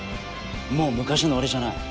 もう昔の俺じゃない。